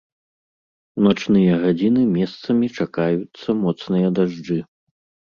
У начныя гадзіны месцамі чакаюцца моцныя дажджы.